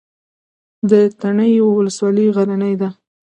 د تڼیو ولسوالۍ غرنۍ ده